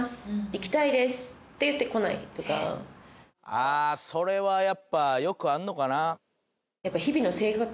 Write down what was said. あそれはやっぱよくあんのかな。